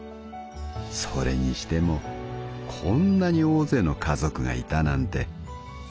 それにしてもこんなに大勢の家族がいたなんて！』